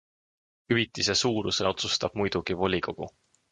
Hüvitise suuruse otsustab muidugi volikogu.